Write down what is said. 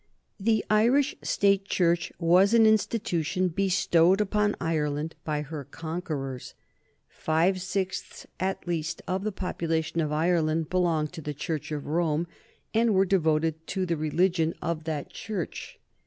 The Irish State Church was an institution bestowed upon Ireland by her conquerors. Five sixths, at least, of the population of Ireland belonged to the Church of Rome and were devoted to the religion of that Church.